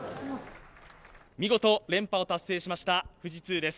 見事連覇を達成しました富士通です。